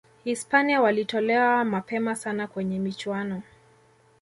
hispania walitolewa nmapema sana kwenye michuano